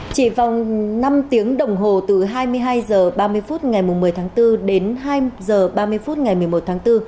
chỉ vòng năm tiếng đồng hồ từ hai mươi hai h ba mươi phút ngày một mươi tháng bốn đến hai h ba mươi phút ngày một mươi một tháng bốn